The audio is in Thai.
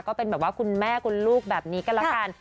ก็เป็นแบบว่าคุณแม่คุณลูกแบบนี้ก็แล้วกัน